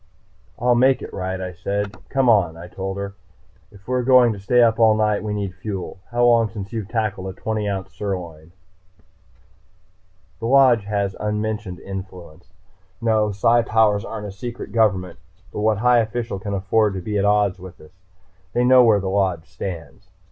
"I'll make it right," I said. "Come on," I told her. "If we're going to stay up all night, we need fuel. How long since you've tackled a twenty ounce sirloin?" The Lodge has unmentioned influence. No, Psi powers aren't a secret government. But what high official can afford to be at odds with us? They know where the Lodge stands.